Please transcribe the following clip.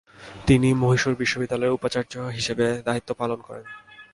তিনি মহীশূর বিশ্ববিদ্যালয়ের উপাচার্য হিসেবে দায়িত্ব পালন করেন।